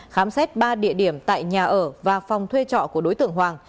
khám xét ba địa điểm tại nhà ở và phòng thuê trọ của đối tượng hoàng